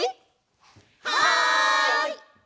はい！